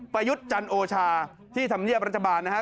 ยุทธ์จันโอชาที่ธรรมเนียบรัฐบาลนะครับ